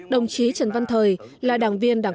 đồng chí trần văn thời là đảng viên đặc biệt